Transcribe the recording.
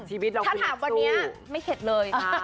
ถ้าถามวันนี้ไม่เข็ดเลยค่ะ